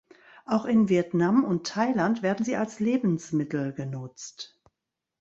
Auch in Vietnam und Thailand werden sie als Lebensmittel genutzt.